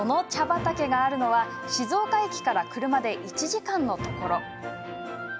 畑があるのは静岡駅から車で１時間のところ。